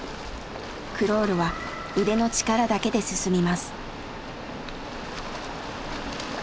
クロールは腕の力だけで進みます。